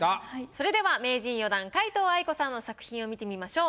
それでは名人４段皆藤愛子さんの作品を見てみましょう。